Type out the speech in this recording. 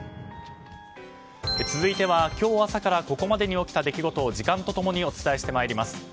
続いては今日朝からここまで起きた出来事を時間と共にお伝えしてまいります。